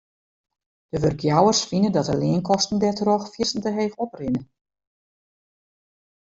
De wurkjouwers fine dat de leankosten dêrtroch fierstente heech oprinne.